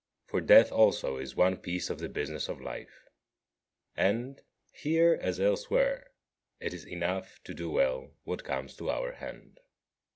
For death also is one piece of the business of life, and, here as elsewhere, it is enough to do well what comes to our hand.